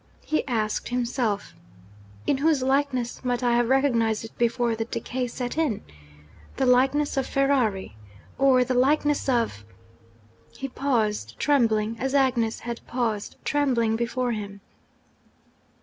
He asked himself, 'In whose likeness might I have recognised it before the decay set in? The likeness of Ferrari? or the likeness of ?' He paused trembling, as Agnes had paused trembling before him.